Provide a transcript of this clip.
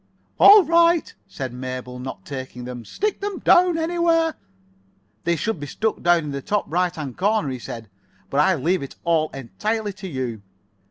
"All right," said Mabel, not taking them. "Stick them down anywhere." "They should be stuck down in the top right hand corner," he said; "but I leave it all entirely to you."